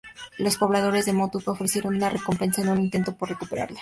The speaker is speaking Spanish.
Los pobladores de Motupe ofrecieron una recompensa en un intento por recuperarla.